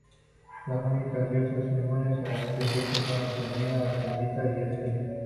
Las únicas diosas inmunes a este efecto son Atenea, Artemisa y Hestia.